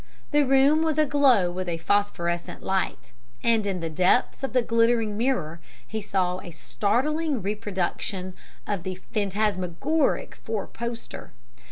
The room was aglow with a phosphorescent light, and in the depths of the glittering mirror he saw a startling reproduction of the phantasmagoric four poster.